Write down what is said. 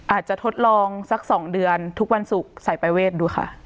ทดลองสัก๒เดือนทุกวันศุกร์ใส่ปรายเวทดูค่ะ